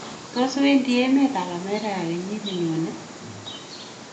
Tos, Wendi emetab America kenyiit nenyone?